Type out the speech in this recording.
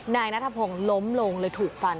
นายนัทพงศ์ล้มลงเลยถูกฟัน